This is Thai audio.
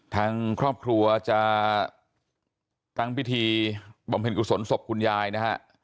ทางครอบครัวจะตั้งพิธีบำเพ็ญกุศลศพคุณยายนะฮะ